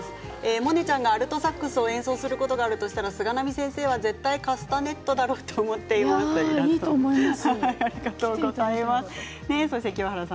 モネちゃんがアルトサックスを演奏することがあったとしたら先生は絶対カスタネットいいかもしれない。